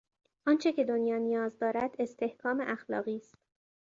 آنچه که دنیا نیاز دارد استحکام اخلاقی است.